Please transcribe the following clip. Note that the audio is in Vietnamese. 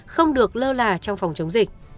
không được lơ là trong phòng chống dịch